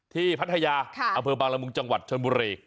พัทยาอำเภอบางละมุงจังหวัดชนบุรี